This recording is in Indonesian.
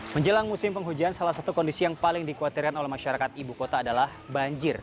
menjelang musim penghujan salah satu kondisi yang paling dikhawatirkan oleh masyarakat ibu kota adalah banjir